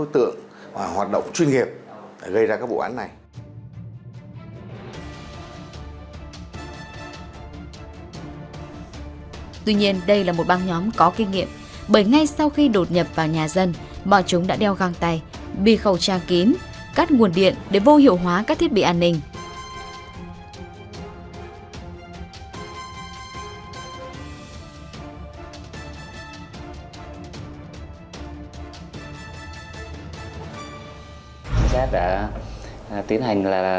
tuy nhiên đây là một băng nhóm có kinh nghiệm bởi ngay sau khi đột nhập vào nhà dân bọn chúng đã đeo găng tay bị khẩu trang kín cắt nguồn điện để vô hiệu hóa các thiết bị an ninh